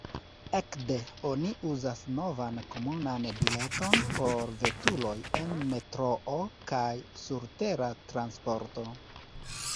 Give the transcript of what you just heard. Ekde oni uzas novan komunan bileton por veturoj en metroo kaj surtera transporto.